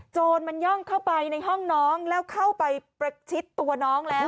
โจรมันย่องเข้าไปในห้องน้องแล้วเข้าไปประชิดตัวน้องแล้ว